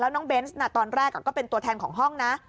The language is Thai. น้องเบนส์ตอนแรกก็เป็นตัวแทนของห้องนะ